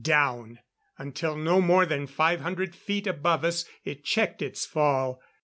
Down until no more than five hundred feet above us it checked its fall.